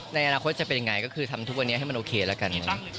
ในอนาคตจะเป็นยังไงก็คือทำทุกวันนี้ให้มันโอเคแล้วกัน